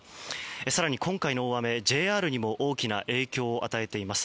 更に、今回の大雨はＪＲにも大きな影響を与えています。